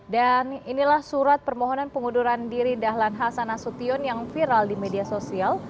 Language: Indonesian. inilah surat permohonan pengunduran diri dahlan hasan nasution yang viral di media sosial